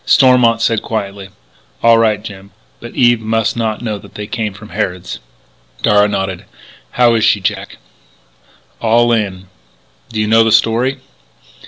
Stormont said quietly: "All right, Jim, but Eve must not know that they came from Harrod's." Darragh nodded: "How is she, Jack?" "All in." "Do you know the story?"